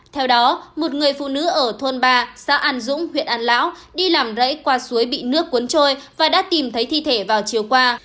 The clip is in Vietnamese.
theo đó một người phụ nữ ở thôn ba xã an dũng huyện an lão đi làm rẫy qua suối bị nước cuốn trôi và đã tìm thấy thi thể vào chiều qua